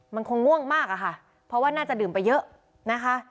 มันคงง่วงมากอะค่ะเพราะว่าน่าจะดื่มไปเยอะนะคะ